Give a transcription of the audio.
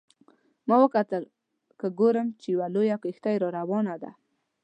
ما وکتل که ګورم چې یوه لویه کښتۍ را روانه ده.